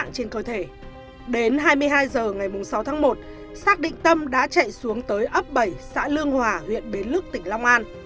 đến hai mươi hai h ngày sáu tháng một xác định tâm đã chạy xuống tới ấp bảy xã lương hòa huyện bến lức tỉnh long an